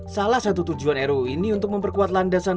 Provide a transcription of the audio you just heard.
salah satu tujuan ruu ini untuk memperkuat landasan